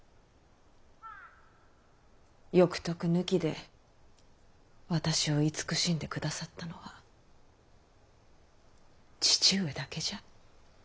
欲得抜きで私を慈しんで下さったのは父上だけじゃ。